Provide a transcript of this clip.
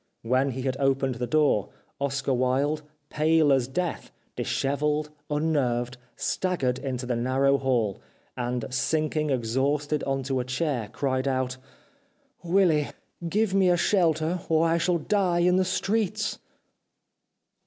When he had opened the door, Oscar Wilde, pale as death, dishevelled, unnerved, staggered into the narrow hall, and sinking exhausted on to a chair cried out :" Willy, give me a shelter or I shall die in the streets."